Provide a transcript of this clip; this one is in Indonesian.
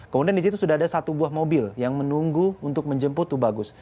kemudian disitu sudah ada satu buah mobil yang menunggu untuk menjemput tubagus